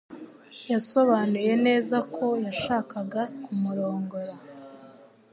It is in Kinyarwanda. Yasobanuye neza ko yashakaga kumurongora.